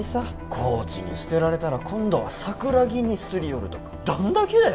コーチに捨てられたら今度は桜木にすり寄るとかどんだけだよ？